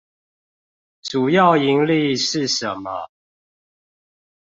主要營力是什麼？